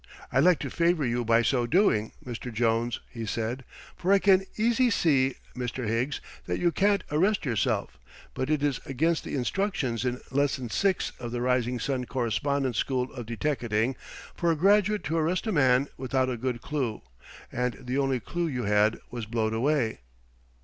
"I'd like to favor you by so doing, Mr. Jones," he said, "for I can easy see, Mr. Higgs, that you can't arrest yourself, but it is against the instructions in Lesson Six of the Rising Sun Correspondence School of Deteckating for a graduate to arrest a man without a good clue, and the only clue you had was blowed away."